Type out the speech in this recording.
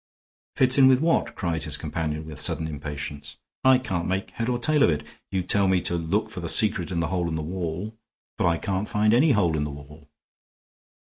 "Fits in with what?" cried his companion, with sudden impatience. "I can't make head or tail of it. You tell me to look for the secret in the hole in the wall, but I can't find any hole in the wall."